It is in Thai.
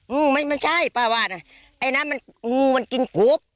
งูไม่ใช่ป้าว่านะไอ้น้ำมันงูมันกินกบ